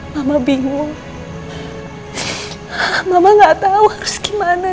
mama bingung mama gak tahu harus gimana